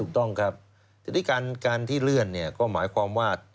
ถูกต้องครับทีนี้การที่เลื่อนเนี่ยก็หมายความว่า